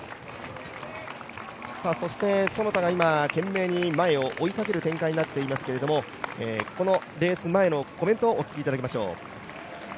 そして其田が今、懸命に今前を追いかける展開になっていますけれども、このレース前のコメントをお聞きいただきましょう。